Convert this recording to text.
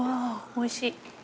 おいしい。